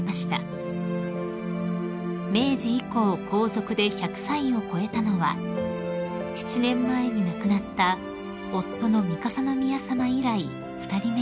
［明治以降皇族で１００歳を越えたのは７年前に亡くなった夫の三笠宮さま以来２人目です］